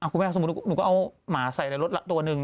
คุณแม่สมมุติหนูก็เอาหมาใส่ในรถตัวหนึ่ง